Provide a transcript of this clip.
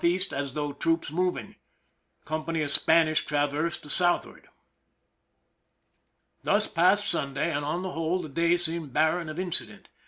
E., as though troops moving. Company of Spanish traverse to Sd. Thus passed Sunday, and on the whole the day seemed barren of incident.